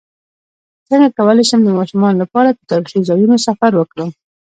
څنګه کولی شم د ماشومانو لپاره د تاریخي ځایونو سفر وکړم